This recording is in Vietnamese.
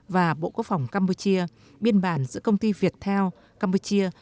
và bộ quốc phòng campuchia biên bản giữa công ty viettel campuchia